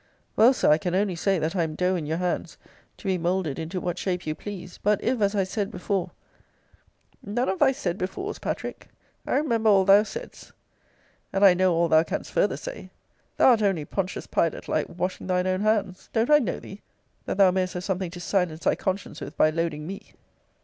Well, Sir, I can only say, that I am dough in your hands, to be moulded into what shape you please. But if, as I said before None of thy Said before's, Patrick. I remember all thou saidst and I know all thou canst farther say thou art only, Pontius Pilate like, washing thine own hands, (don't I know thee?) that thou mayest have something to silence thy conscience with by loading me.